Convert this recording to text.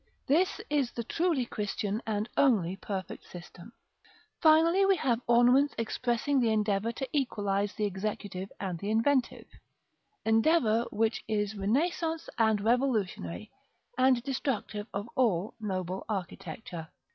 This is the truly Christian and only perfect system. Finally, we have ornaments expressing the endeavor to equalise the executive and inventive, endeavor which is Renaissance and revolutionary, and destructive of all noble architecture.